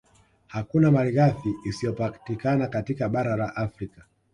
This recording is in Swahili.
Hakuna malighafi isiyopatikana katika bara la Afrika